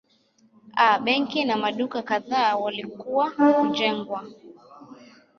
A benki na maduka kadhaa walikuwa kujengwa.